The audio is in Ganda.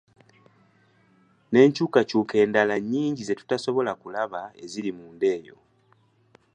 N'enkyukakyuka endala nnyingi ze tutasobola kulaba eziri munda eyo.